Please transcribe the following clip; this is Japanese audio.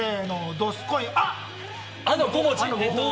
どすこい！